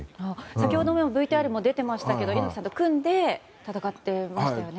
先ほどのＶＴＲにも出ていましたが猪木さんと組んで戦ってましたよね。